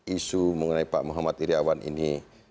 isu mengenai pak muhammad iryawan ini